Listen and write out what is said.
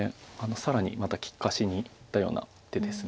更にまた利かしにいったような手です。